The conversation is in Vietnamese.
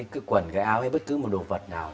cái quần cái áo hay bất cứ một đồ vật nào